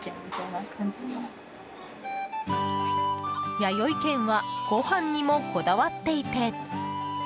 やよい軒はご飯にもこだわっていて。